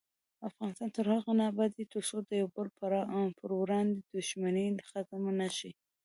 افغانستان تر هغو نه ابادیږي، ترڅو د یو بل پر وړاندې دښمني ختمه نشي.